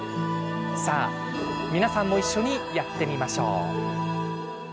さあ、皆さんも一緒にやってみましょう。